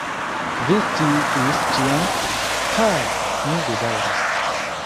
Vi sciis ĉion. Ha? Mi bedaŭras.